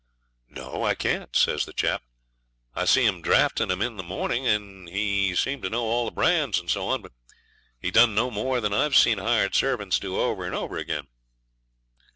'No, I can't,' says the chap. 'I see him a drafting 'em in the morning, and he seemed to know all the brands, and so on; but he done no more than I've seen hired servants do over and over again.'